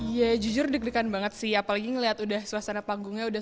iya jujur deg degan banget sih apalagi ngelihat udah suasana panggungnya udah